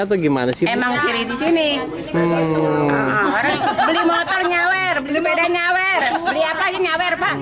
beli motor nyawar beli sepeda nyawar beli apa aja nyawar pak